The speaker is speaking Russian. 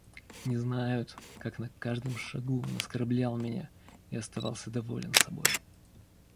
Не знают, как на каждом шагу он оскорблял меня и оставался доволен собой.